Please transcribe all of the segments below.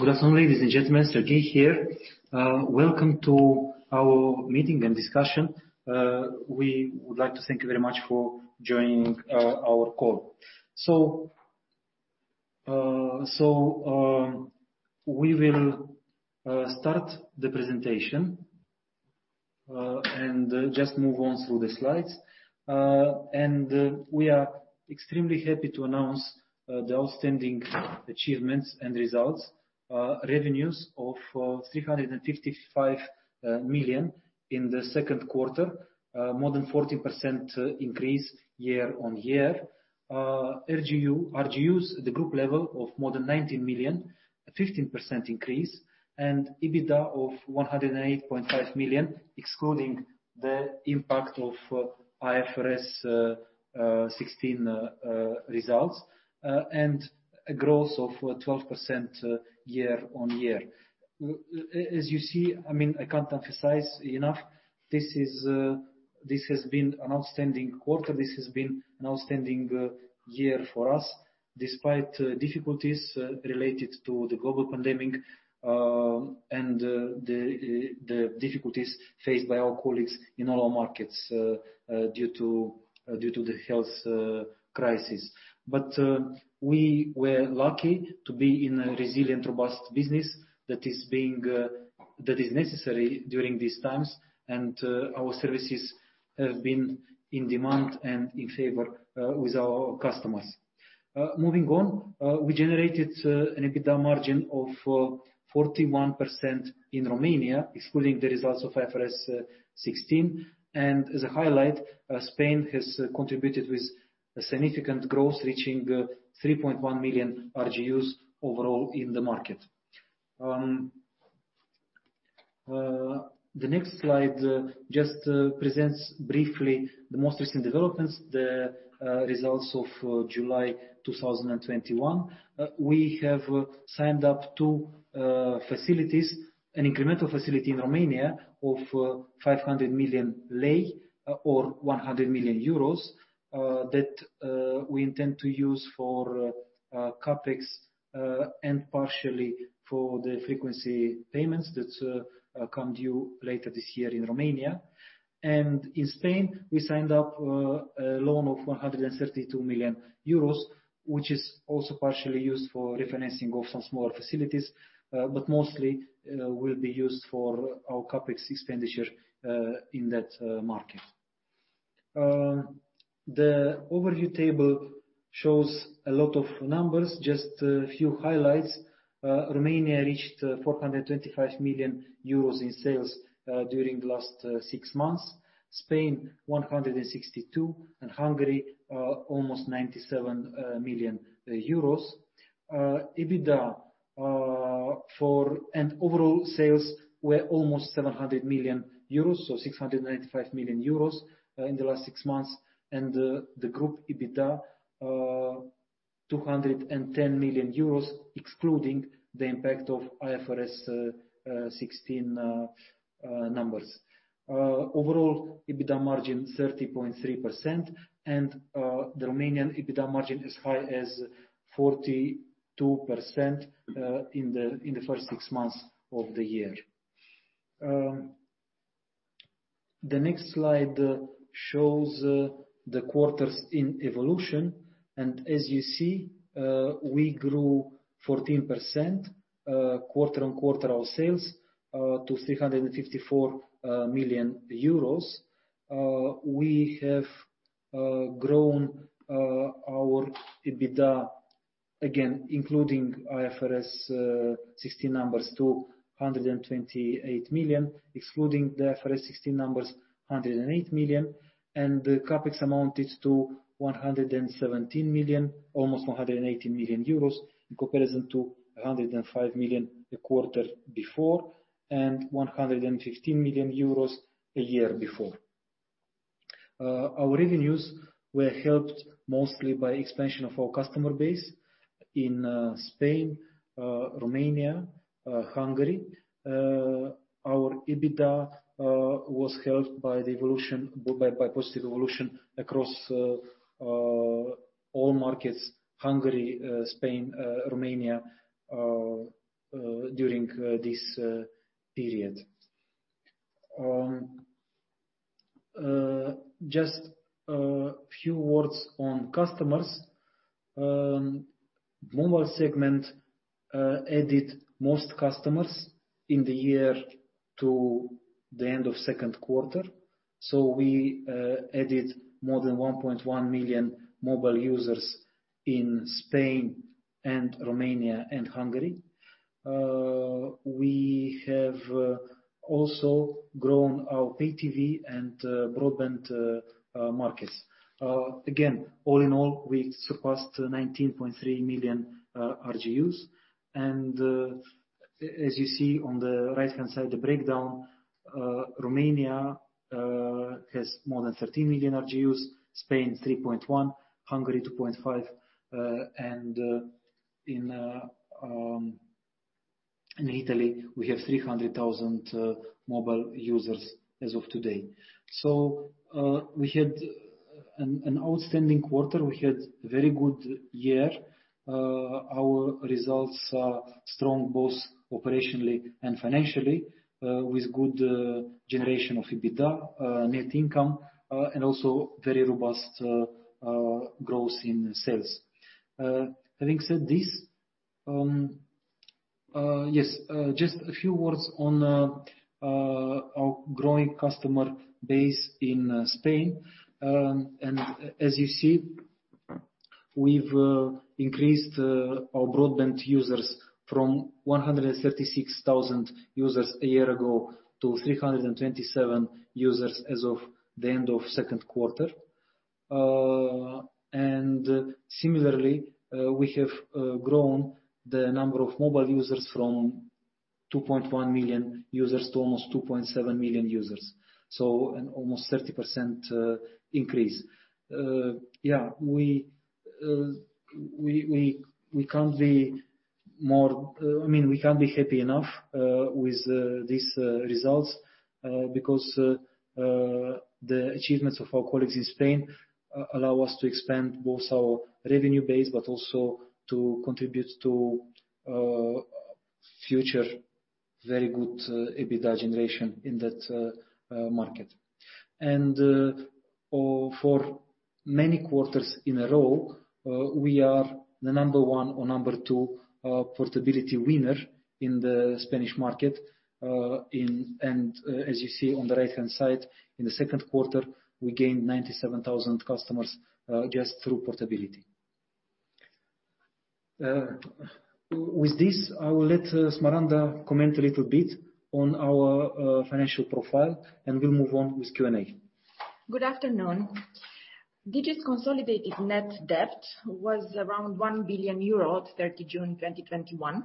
Ladies and gentlemen, Serghei here. Welcome to our meeting and discussion. We would like to thank you very much for joining our call. We will start the presentation and just move on through the slides. We are extremely happy to announce the outstanding achievements and results. Revenues of 355 million in the second quarter, more than 14% increase year-on-year. RGUs at the group level of more than 90 million, a 15% increase, and EBITDA of 108.5 million, excluding the impact of IFRS 16 results, and a growth of 12% year-on-year. As you see, I can't emphasize enough, this has been an outstanding quarter. This has been an outstanding year for us, despite difficulties related to the global pandemic and the difficulties faced by our colleagues in all our markets due to the health crisis. We were lucky to be in a resilient, robust business that is necessary during these times, and our services have been in demand and in favor with our customers. Moving on, we generated an EBITDA margin of 41% in Romania, excluding the results of IFRS 16. As a highlight, Spain has contributed with a significant growth, reaching 3.1 million RGUs overall in the market. The next slide just presents briefly the most recent developments, the results of July 2021. We have signed up two facilities, an incremental facility in Romania of RON 500 million or 100 million euros, that we intend to use for CapEx, and partially for the frequency payments that come due later this year in Romania. In Spain, we signed up a loan of 132 million euros, which is also partially used for refinancing of some smaller facilities, but mostly will be used for our CapEx expenditure in that market. The overview table shows a lot of numbers. Just a few highlights. Romania reached 425 million euros in sales during the last six months, Spain 162 million, and Hungary almost 97 million euros. Overall sales were almost 700 million euros, so 695 million euros in the last six months, and the group EBITDA 210 million euros excluding the impact of IFRS 16 numbers. Overall EBITDA margin 30.3%, and the Romanian EBITDA margin as high as 42% in the first six months of the year. The next slide shows the quarters in evolution. As you see, we grew 14%, quarter-on-quarter our sales, to 354 million euros. We have grown our EBITDA, again, including IFRS 16 numbers, to 128 million, excluding the IFRS 16 numbers, 108 million, and the CapEx amounted to 117 million, almost 118 million euros in comparison to 105 million the quarter before, and 115 million euros a year before. Our revenues were helped mostly by expansion of our customer base in Spain, Romania, Hungary. Our EBITDA was helped by positive evolution across all markets, Hungary, Spain, Romania, during this period. Just a few words on customers. Mobile segment added most customers in the year to the end of second quarter. We added more than 1.1 million mobile users in Spain and Romania and Hungary. We have also grown our Pay TV and broadband markets. Again, all in all, we surpassed 19.3 million RGUs. As you see on the right-hand side, the breakdown, Romania has more than 13 million RGUs, Spain 3.1 million, Hungary 2.5 million, and in Italy, we have 300,000 mobile users as of today. We had an outstanding quarter. We had a very good year. Our results are strong, both operationally and financially, with good generation of EBITDA, net income, and also very robust growth in sales. Having said this, just a few words on our growing customer base in Spain. As you see, we've increased our broadband users from 136,000 users a year ago to 327,000 users as of the end of second quarter. Similarly, we have grown the number of mobile users from 2.1 million users to almost 2.7 million users. An almost 30% increase. We can't be happy enough with these results, because the achievements of our colleagues in Spain allow us to expand both our revenue base, but also to contribute to future very good EBITDA generation in that market. For many quarters in a row, we are the number one or number two portability winner in the Spanish market. As you see on the right-hand side, in the second quarter, we gained 97,000 customers, just through portability. With this, I will let Smaranda comment a little bit on our financial profile, and we'll move on with Q&A. Good afternoon. Digi's consolidated net debt was around 1 billion euros at 30 June 2021.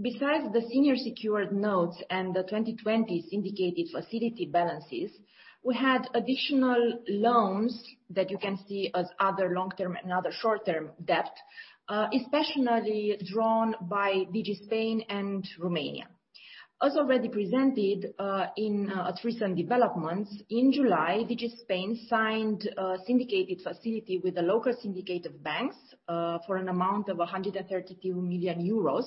Besides the senior secured notes and the 2020 syndicated facility balances, we had additional loans that you can see as other long-term and other short-term debt, especially drawn by Digi Spain and Romania. As already presented in recent developments, in July, Digi Spain signed a syndicated facility with the local syndicated banks, for an amount of 132 million euros,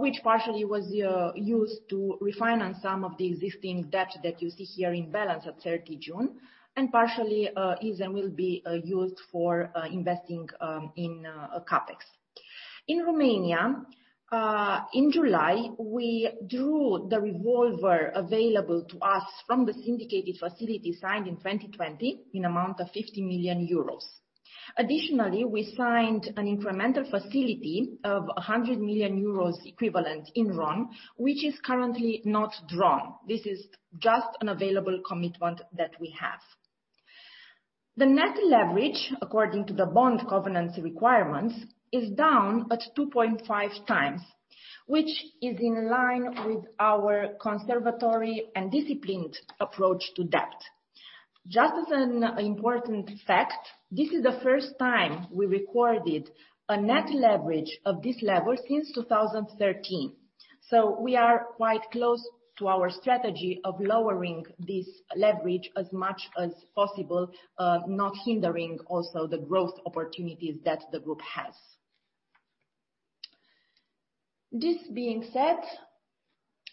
which partially was used to refinance some of the existing debt that you see here in balance at 30 June, and partially is and will be used for investing in CapEx. In Romania, in July, we drew the revolver available to us from the syndicated facility signed in 2020 in amount of 50 million euros. Additionally, we signed an incremental facility of 100 million euros equivalent in RON, which is currently not drawn. This is just an available commitment that we have. The net leverage, according to the bond covenants requirements, is down at 2.5x, which is in line with our conservative and disciplined approach to debt. Just as an important fact, this is the first time we recorded a net leverage of this level since 2013. We are quite close to our strategy of lowering this leverage as much as possible, not hindering also the growth opportunities that the group has. This being said.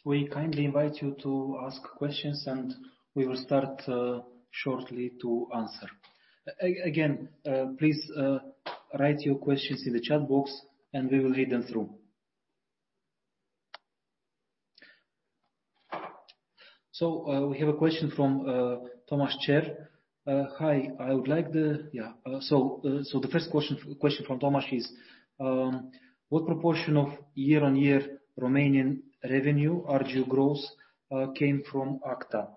We kindly invite you to ask questions, and we will start shortly to answer. Again, please write your questions in the chat box and we will read them through. We have a question from Tamas Cser. The first question from Tamas is, "What proportion of year-on-year Romanian revenue RGU growth came from AKTA?"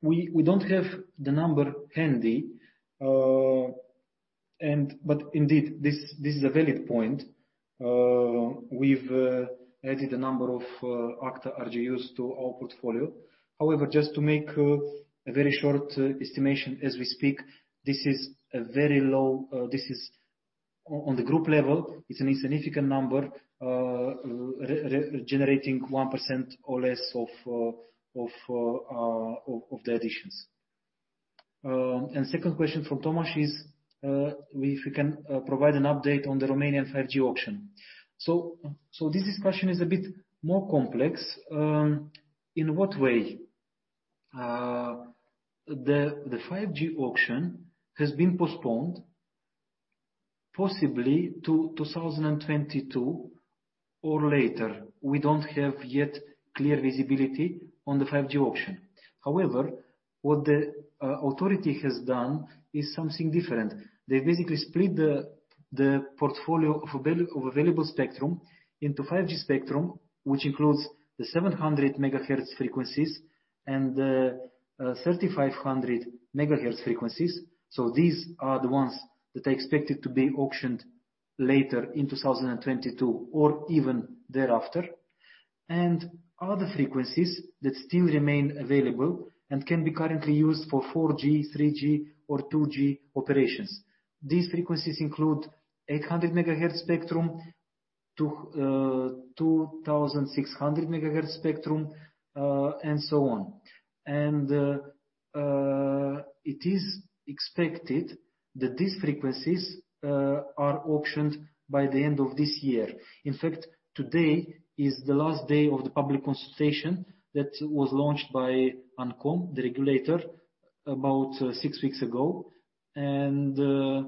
We don't have the number handy, but indeed this is a valid point. We've added a number of AKTA RGUs to our portfolio. However, just to make a very short estimation as we speak, on the group level, it's an insignificant number, generating 1% or less of the additions. Second question from Tamas is, if we can provide an update on the Romanian 5G auction. This discussion is a bit more complex. In what way? The 5G auction has been postponed possibly to 2022 or later. We don't have yet clear visibility on the 5G auction. However, what the authority has done is something different. They basically split the portfolio of available spectrum into 5G spectrum, which includes the 700 MHz frequencies and the 3,500 MHz frequencies. These are the ones that are expected to be auctioned later in 2022 or even thereafter. Other frequencies that still remain available and can be currently used for 4G, 3G, or 2G operations. These frequencies include 800 MHz spectrum, 2,600 MHz spectrum, and so on. It is expected that these frequencies are auctioned by the end of this year. In fact, today is the last day of the public consultation that was launched by ANCOM, the regulator, about six weeks ago. Yeah,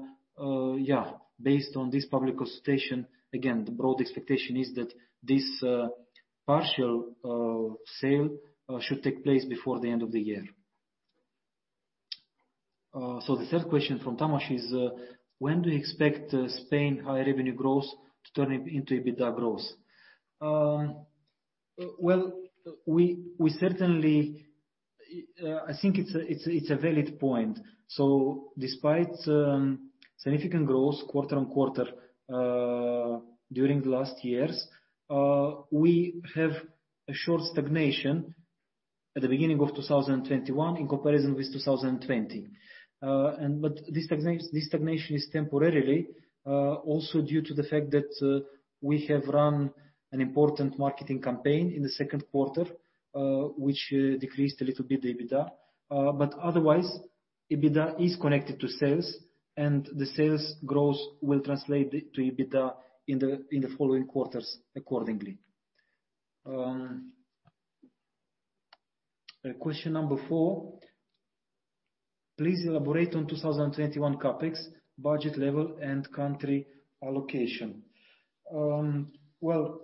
based on this public consultation, again, the broad expectation is that this partial sale should take place before the end of the year. The third question from Tamas is, when do you expect Spain high revenue growth to turn into EBITDA growth? Well, I think it's a valid point. Despite significant growth quarter-over-quarter, during the last years, we have a short stagnation at the beginning of 2021 in comparison with 2020. This stagnation is temporary, also due to the fact that we have run an important marketing campaign in the second quarter, which decreased a little bit the EBITDA. Otherwise, EBITDA is connected to sales, and the sales growth will translate to EBITDA in the following quarters accordingly. Question number four. Please elaborate on 2021 CapEx budget level and country allocation. Well,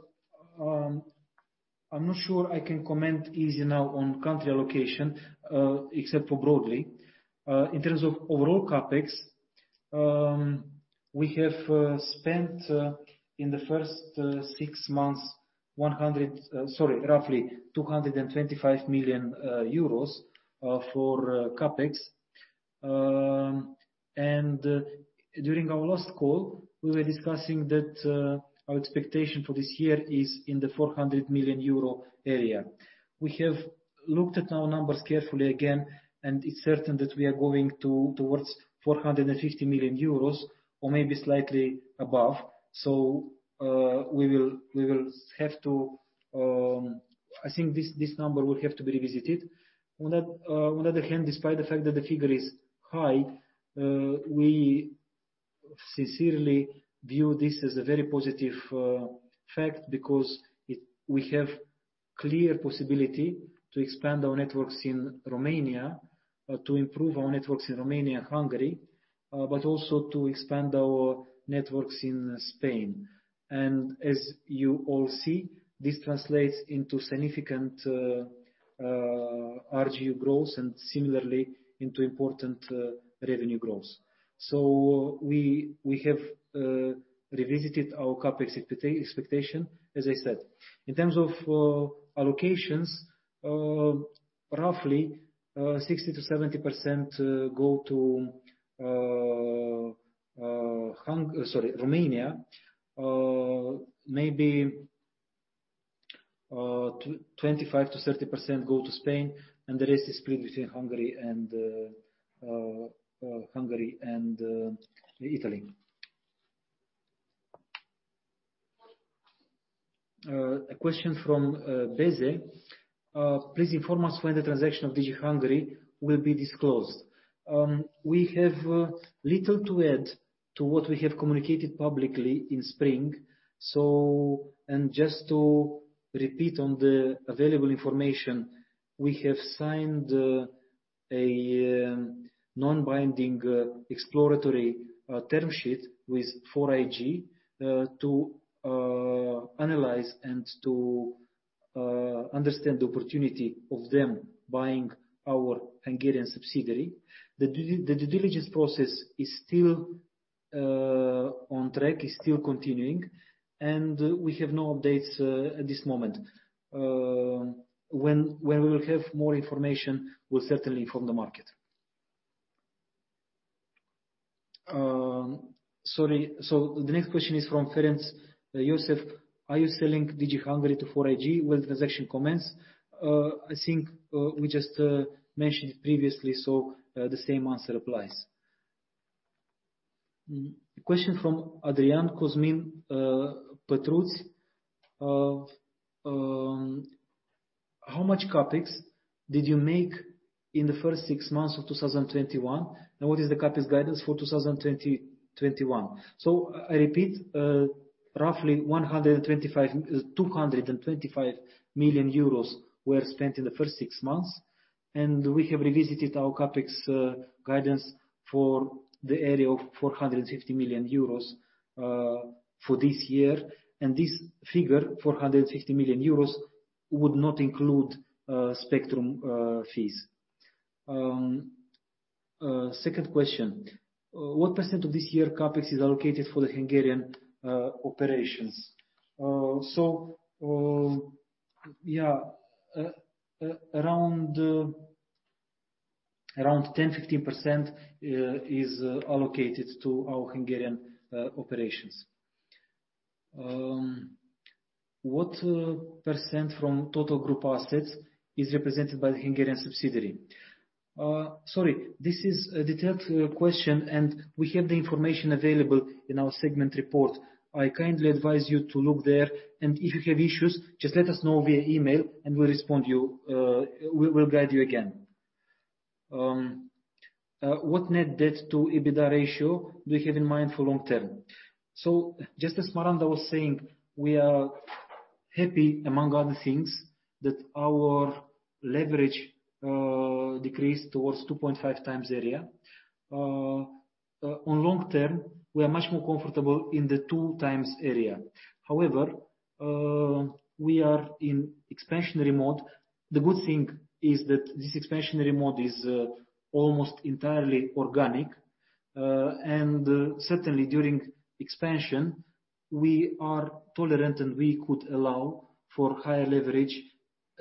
I'm not sure I can comment easily now on country allocation, except for broadly. In terms of overall CapEx, we have spent, in the first six months, roughly 225 million euros for CapEx. During our last call, we were discussing that our expectation for this year is in the 400 million euro area. We have looked at our numbers carefully again, and it's certain that we are going towards 450 million euros or maybe slightly above. I think this number will have to be revisited. On the other hand, despite the fact that the figure is high, we sincerely view this as a very positive fact because we have clear possibility to expand our networks in Romania, to improve our networks in Romania and Hungary, but also to expand our networks in Spain. As you all see, this translates into significant RGU growth and similarly into important revenue growth. We have revisited our CapEx expectation, as I said. In terms of allocations, roughly 60%-70% go to Romania. Maybe 25%-30% go to Spain, and the rest is split between Hungary and Italy. A question from Beze. Please inform us when the transaction of DIGI Hungary will be disclosed. We have little to add to what we have communicated publicly in spring. Just to repeat on the available information, we have signed a non-binding exploratory term sheet with 4iG to analyze and to understand the opportunity of them buying our Hungarian subsidiary. The due diligence process is still on track, is still continuing, and we have no updates at this moment. When we will have more information, we'll certainly inform the market. Sorry. The next question is from Ferenc Jozsef, are you selling DIGI Hungary to 4iG? When transaction commence? I think we just mentioned previously, so the same answer applies. Question from Adrian Cosmin Petrut. How much CapEx did you make in the first six months of 2021? What is the CapEx guidance for 2021? I repeat, roughly 225 million euros were spent in the first six months, and we have revisited our CapEx guidance in the area of 450 million euros for this year. This figure, 450 million euros, would not include spectrum fees. Second question, what percent of this year CapEx is allocated for the Hungarian operations? Yeah, around 10%-15% is allocated to our Hungarian operations. What percent from total group assets is represented by the Hungarian subsidiary? Sorry, this is a detailed question, and we have the information available in our segment report. I kindly advise you to look there, and if you have issues, just let us know via email and we'll respond to you. We will guide you again. What net debt-to-EBITDA ratio do you have in mind for long-term? Just as Smaranda was saying, we are happy among other things, that our leverage decreased towards 2.5x area. On long-term, we are much more comfortable in the 2x area. However, we are in expansionary mode. The good thing is that this expansionary mode is almost entirely organic. Certainly during expansion, we are tolerant, and we could allow for higher leverage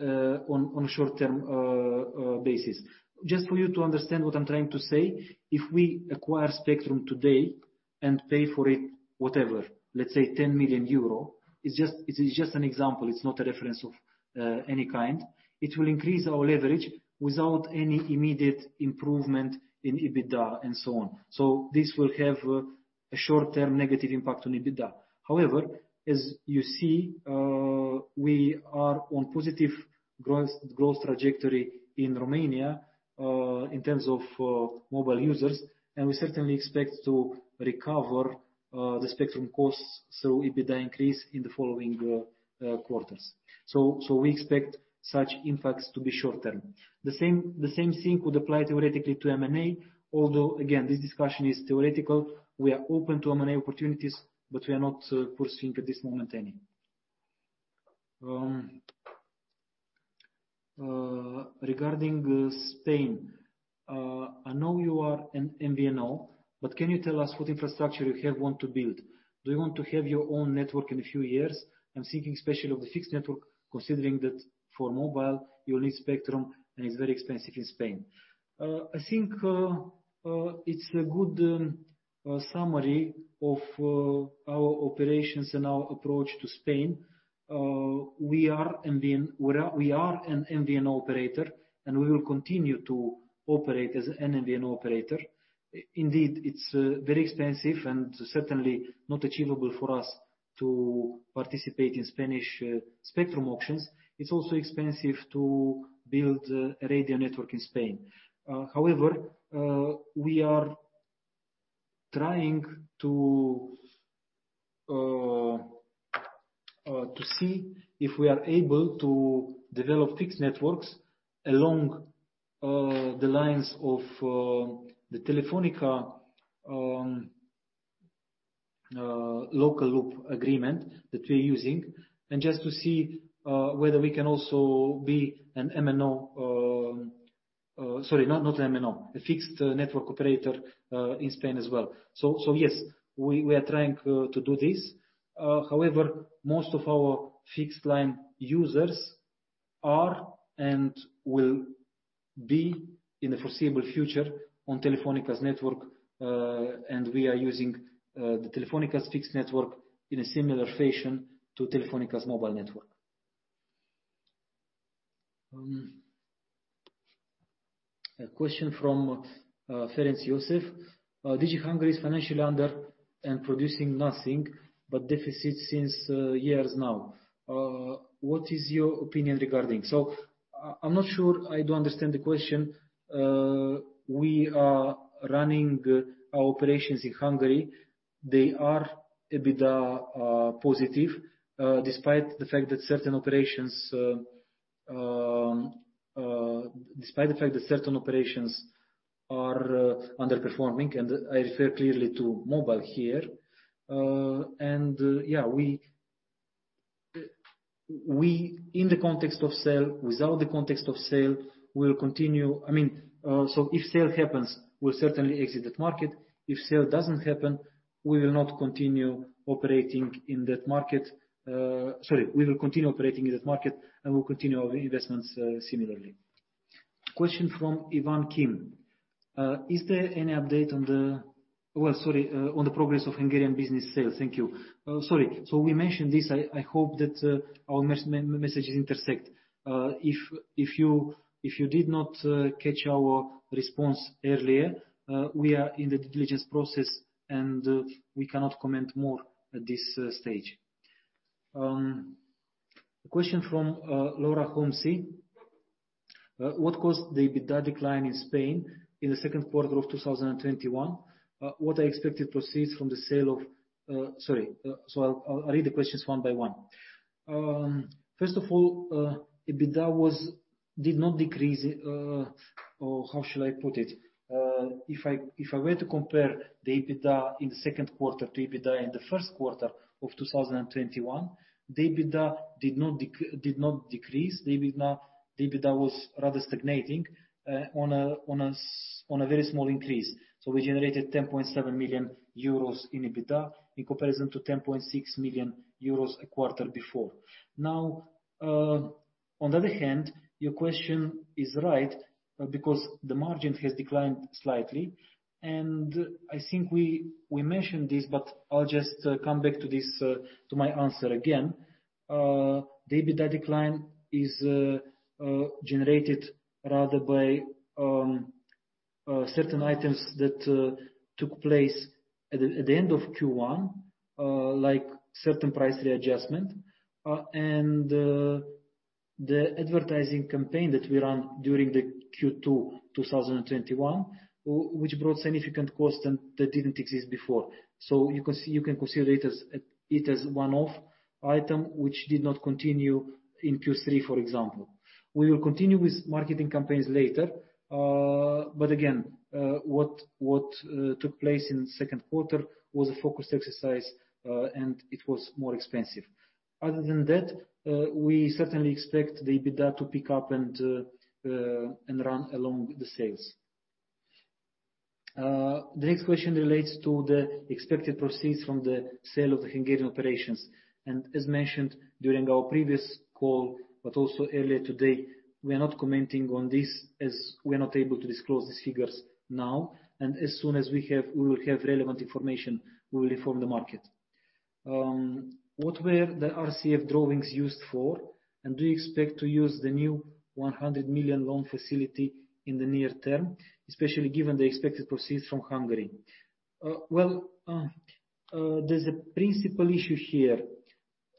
on a short-term basis. Just for you to understand what I'm trying to say, if we acquire spectrum today and pay for it, whatever, let's say 10 million euro, it's just an example. It's not a reference of any kind. It will increase our leverage without any immediate improvement in EBITDA and so on. This will have a short-term negative impact on EBITDA. However, as you see, we are on positive growth trajectory in Romania, in terms of mobile users, and we certainly expect to recover the spectrum costs, so EBITDA increase in the following quarters. We expect such impacts to be short-term. The same thing would apply theoretically to M&A, although again, this discussion is theoretical. We are open to M&A opportunities, but we are not pursuing at this moment any. Regarding Spain, I know you are an MVNO, but can you tell us what infrastructure you want to build? Do you want to have your own network in a few years? I'm thinking especially of the fixed network, considering that for mobile you will need spectrum, and it's very expensive in Spain. I think it's a good summary of our operations and our approach to Spain. We are an MVNO operator, and we will continue to operate as an MVNO operator. Indeed, it's very expensive and certainly not achievable for us to participate in Spanish spectrum auctions. It's also expensive to build a radio network in Spain. However, we are trying to see if we are able to develop fixed networks along the lines of the Telefónica local loop agreement that we're using, and just to see whether we can also be an MNO. Sorry, not MNO, a fixed network operator in Spain as well. Yes, we are trying to do this. However, most of our fixed line users are and will be in the foreseeable future on Telefónica's network. We are using Telefónica's fixed network in a similar fashion to Telefónica's mobile network. A question from Ferenc Jozsef. DIGI Hungary is financially underwater and producing nothing but deficits for years now. What is your opinion regarding? I'm not sure I do understand the question. We are running our operations in Hungary. They are EBITDA positive, despite the fact that certain operations are underperforming, and I refer clearly to mobile here. Yeah, we in the context of sale, without the context of sale, will continue. If sale happens, we'll certainly exit that market. If sale doesn't happen, we will not continue operating in that market. Sorry, we will continue operating in that market, and we'll continue our investments similarly. Question from Ivan Kim. Is there any update on the progress of Hungarian business sale? Thank you. Sorry. We mentioned this. I hope that our messages intersect. If you did not catch our response earlier, we are in the due diligence process, and we cannot comment more at this stage. A question from Laura Hormozi. What caused the EBITDA decline in Spain in the second quarter of 2021? Sorry. I'll read the questions one by one. First of all, EBITDA did not decrease. Or how shall I put it? If I were to compare the EBITDA in the second quarter to EBITDA in the first quarter of 2021, the EBITDA did not decrease. The EBITDA was rather stagnating on a very small increase. We generated 10.7 million euros in EBITDA in comparison to 10.6 million euros a quarter before. Now, on the other hand, your question is right, because the margin has declined slightly, and I think we mentioned this, but I'll just come back to my answer again. The EBITDA decline is generated rather by certain items that took place at the end of Q1, like certain price readjustment, and the advertising campaign that we ran during the Q2 2021, which brought significant cost that didn't exist before. You can consider it as one-off item, which did not continue in Q3, for example. We will continue with marketing campaigns later. Again, what took place in the second quarter was a focused exercise, and it was more expensive. Other than that, we certainly expect the EBITDA to pick up and run along with the sales. The next question relates to the expected proceeds from the sale of the Hungarian operations. As mentioned during our previous call, but also earlier today, we are not commenting on this, as we are not able to disclose these figures now, and as soon as we will have relevant information, we will inform the market. What were the RCF drawings used for, and do you expect to use the new 100 million loan facility in the near term, especially given the expected proceeds from Hungary? Well, there's a principal issue here.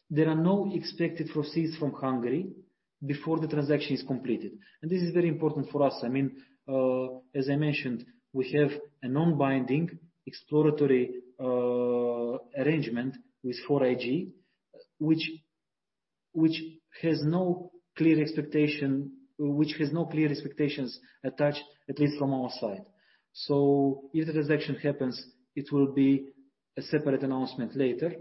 There are no expected proceeds from Hungary before the transaction is completed, and this is very important for us. As I mentioned, we have a non-binding exploratory arrangement with 4iG which has no clear expectations attached, at least from our side. If the transaction happens, it will be a separate announcement later,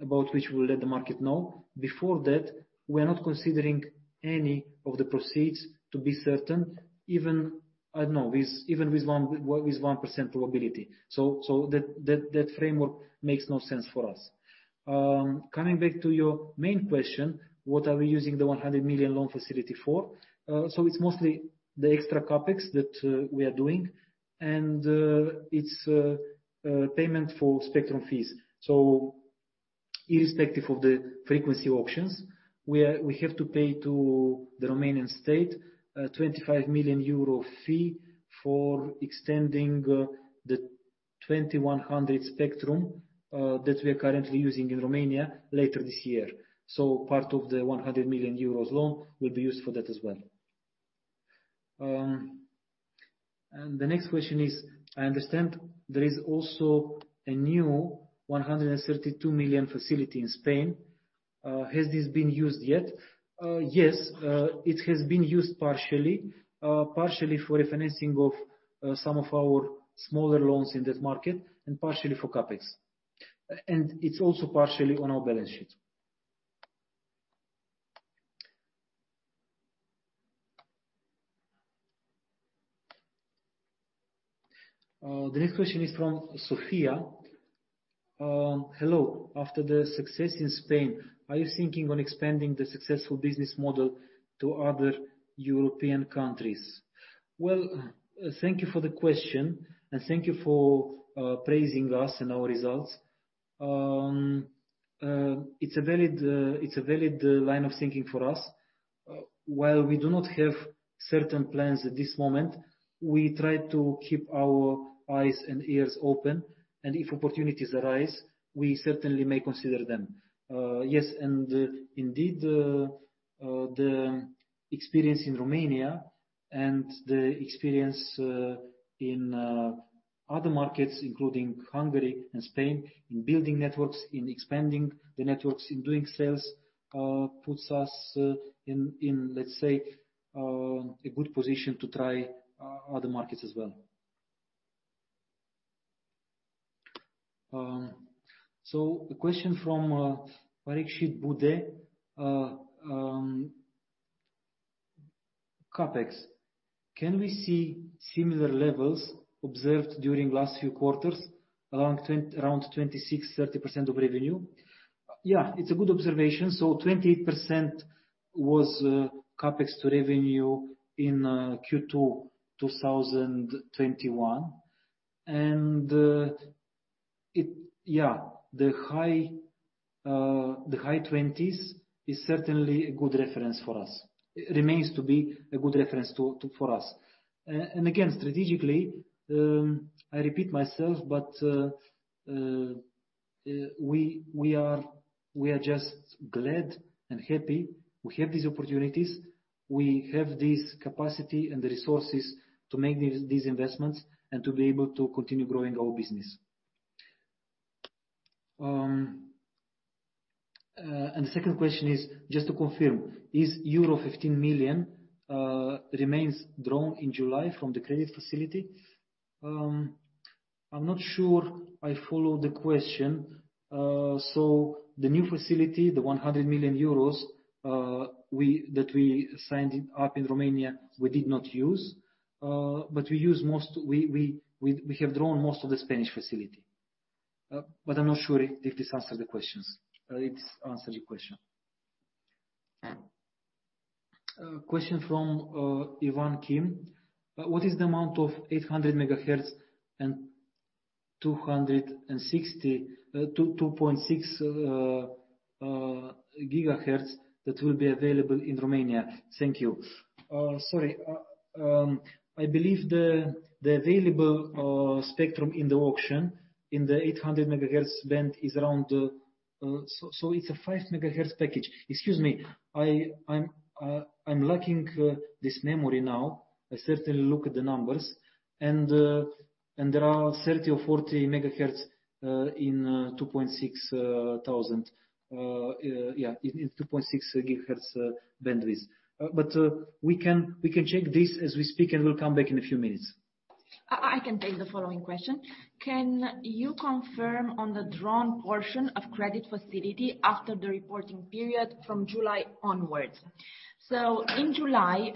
about which we'll let the market know. Before that, we are not considering any of the proceeds to be certain, even with 1% probability. That framework makes no sense for us. Coming back to your main question, what are we using the 100 million loan facility for? It's mostly the extra CapEx that we are doing, and it's payment for spectrum fees. Irrespective of the frequency options, we have to pay to the Romanian state a 25 million euro fee for extending the 2100 MHz spectrum that we are currently using in Romania later this year. Part of the 100 million euros loan will be used for that as well. The next question is, I understand there is also a new 132 million facility in Spain. Has this been used yet? Yes, it has been used partially. Partially for refinancing of some of our smaller loans in that market, and partially for CapEx. It's also partially on our balance sheet. The next question is from Sophia. "Hello. After the success in Spain, are you thinking on expanding the successful business model to other European countries?" Well, thank you for the question, and thank you for praising us and our results. It's a valid line of thinking for us. While we do not have certain plans at this moment, we try to keep our eyes and ears open, and if opportunities arise, we certainly may consider them. Yes, and indeed, the experience in Romania and the experience in other markets, including Hungary and Spain, in building networks, in expanding the networks, in doing sales, puts us in, let's say, a good position to try other markets as well. The question from Parikshit Budhe, "CapEx. Can we see similar levels observed during last few quarters, around 26%-30% of revenue? Yeah, it's a good observation. 28% was CapEx to revenue in Q2 2021. The high 20s is certainly a good reference for us. It remains to be a good reference for us. Again, strategically, I repeat myself, but we are just glad and happy we have these opportunities. We have this capacity and the resources to make these investments and to be able to continue growing our business. The second question is, "Just to confirm, is euro 15 million remains drawn in July from the credit facility?" I'm not sure I follow the question. The new facility, the 100 million euros that we signed up in Romania, we did not use. We have drawn most of the Spanish facility. I'm not sure if this answered your question. A question from Ivan Kim. "What is the amount of 800 MHz and 2.6 GHz that will be available in Romania? Thank you." Sorry, I believe the available spectrum in the auction in the 800 MHz band is around, so it's a 5 MHz package. Excuse me, I'm lacking this memory now. I certainly look at the numbers. There are 30 MHz or 40 MHz in 2.6 thousand. Yeah, in 2.6 GHz bandwidth. But we can check this as we speak, and we'll come back in a few minutes. I can take the following question. "Can you confirm on the drawn portion of credit facility after the reporting period from July onwards?" In July,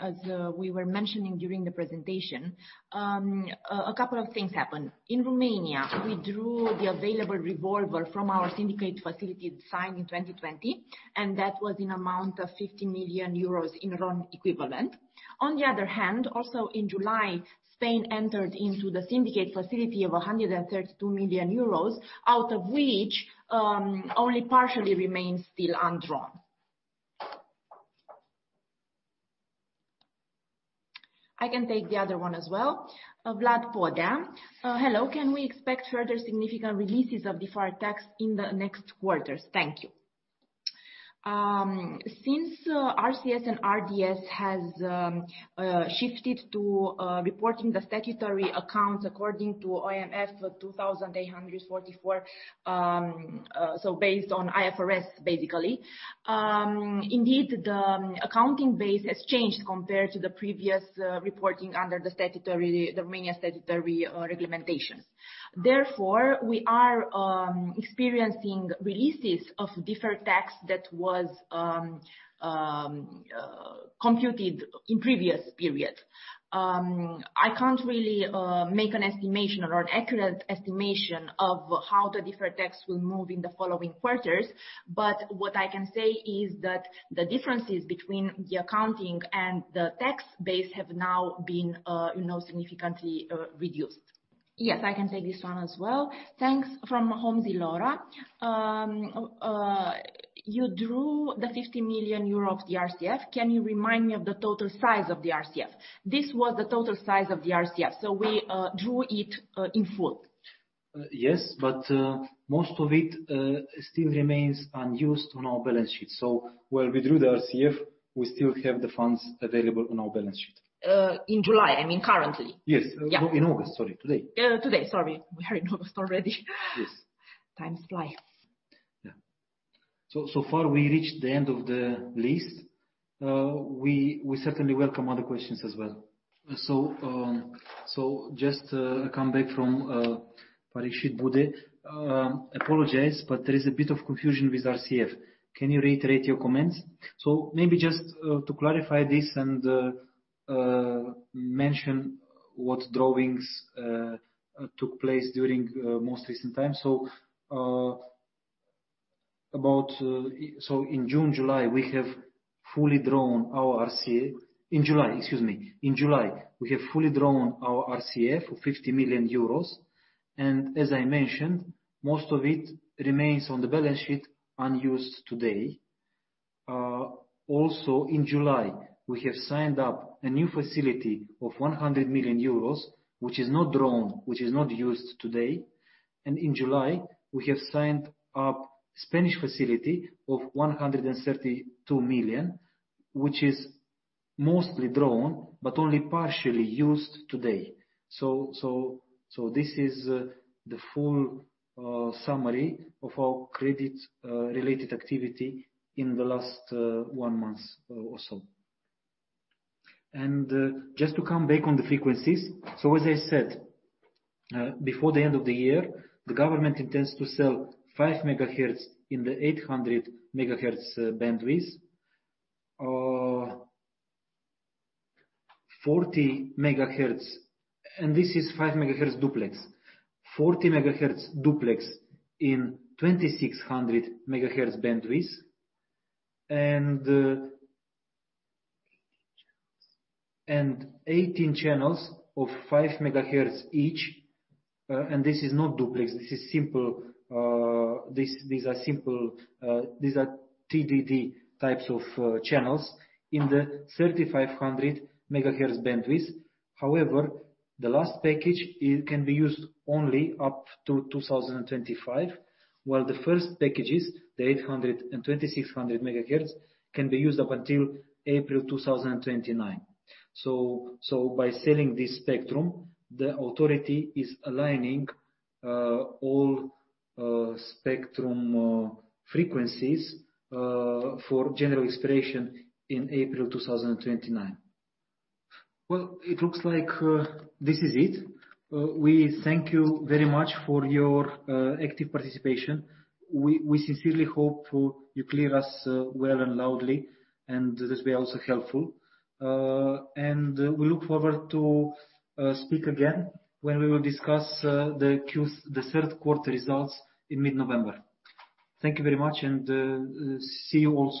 as we were mentioning during the presentation, a couple of things happened. In Romania, we drew the available revolver from our syndicated facility signed in 2020, and that was in amount of 50 million euros in RON equivalent. On the other hand, also in July, Spain entered into the syndicated facility of 132 million euros, out of which, only partially remains still undrawn. I can take the other one as well. [Vlad Poda]. "Hello. Can we expect further significant releases of deferred tax in the next quarters? Thank you." Since RCS & RDS has shifted to reporting the statutory accounts according to OMFP 2844/2016, so based on IFRS, basically. Indeed, the accounting base has changed compared to the previous reporting under the Romanian statutory regulations. Therefore, we are experiencing releases of deferred tax that was computed in previous period. I can't really make an estimation or an accurate estimation of how the deferred tax will move in the following quarters, but what I can say is that the differences between the accounting and the tax base have now been significantly reduced. Yes, I can take this one as well. Thanks. From Mahomzi Laura, "You drew the 50 million euro of the RCF, can you remind me of the total size of the RCF?" This was the total size of the RCF, so we drew it in full. Yes, most of it still remains unused on our balance sheet. While we drew the RCF, we still have the funds available on our balance sheet. In July, I mean currently. Yes. Yeah. Today. Today, sorry. We are in August already. Yes. Time flies. Yeah. So far we reached the end of the list. We certainly welcome other questions as well. Just a question from Parikshit Budhe: "Apologize, but there is a bit of confusion with RCF. Can you reiterate your comments?" Maybe just to clarify this and mention what drawings took place during most recent times. In July, we have fully drawn our RCF of 50 million euros, and as I mentioned, most of it remains on the balance sheet unused today. Also in July, we have signed up a new facility of 100 million euros, which is not drawn, which is not used today. In July, we have signed up Spanish facility of 132 million, which is mostly drawn, but only partially used today. This is the full summary of our credit related activity in the last one month or so. Just to come back on the frequencies. As I said, before the end of the year, the government intends to sell 5 MHz in the 800 MHz bandwidth. 40 MHz. This is 5 MHz duplex. 40 MHz duplex in 2,600 MHz bandwidth, and 18 channels of 5 MHz each. This is not duplex. These are TDD types of channels in the 3,500 MHz bandwidth. However, the last package, it can be used only up to 2025, while the first packages, the 800 MHz and 2,600 MHz, can be used up until April 2029. By selling this spectrum, the authority is aligning all spectrum frequencies for general expiration in April 2029. Well, it looks like this is it. We thank you very much for your active participation. We sincerely hope you clear us well and loudly, and this be also helpful. We look forward to speak again when we will discuss the third quarter results in mid-November. Thank you very much, and see you also.